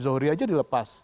zohri saja dilepas